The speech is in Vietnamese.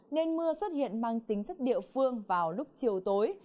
nên mưa xuất hiện mang tính chất địa phương vào lúc chiều tối